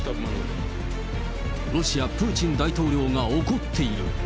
ロシア、プーチン大統領が怒っている。